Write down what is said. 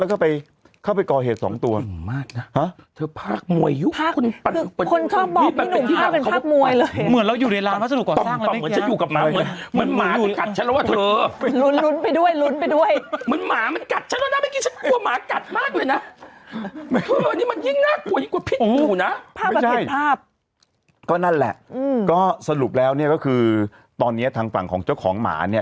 เขาโพสต์คลิปดูกล้องโมงชวนปิดกล้องนี้